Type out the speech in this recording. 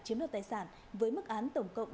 chiếm đoạt tài sản với mức án tổng cộng